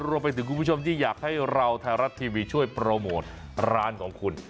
รวมไปถึงคุณผู้ชมที่อยากให้เราไทยรัฐทีวีช่วยโปรโมทร้านของคุณ